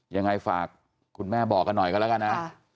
ยังไงฝากคุณแม่บอกกันหน่อยกันแล้วกันนะ